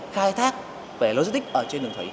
khai thác về logistic trên đường thủy